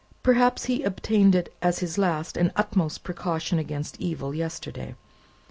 "Perhaps he obtained it as his last and utmost precaution against evil, yesterday.